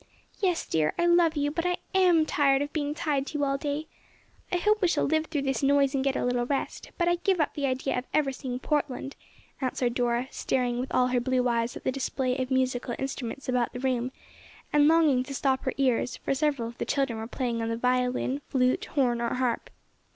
"Yes, dear, I love you but I am tired of being tied to you all day. I hope we shall live through this noise and get a little rest, but I give up the idea of ever seeing Portland," answered Dora, staring with all her blue eyes at the display of musical instruments about the room, and longing to stop her ears, for several of the children were playing on the violin, flute, horn or harp.